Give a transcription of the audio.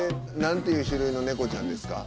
なんていう種類のネコちゃんですか？